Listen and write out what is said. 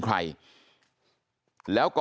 ทำให้สัมภาษณ์อะไรต่างนานไปออกรายการเยอะแยะไปหมด